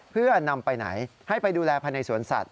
เพื่อนำไปไหนให้ไปดูแลภายในสวนสัตว